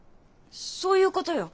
そういうことよ。